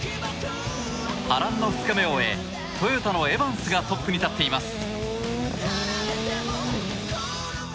波乱の２日目を終えトヨタのエバンスがトップに立っています。